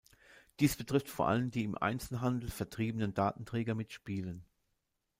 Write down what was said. Dies betrifft vor allem die im Einzelhandel vertriebenen Datenträger mit Spielen.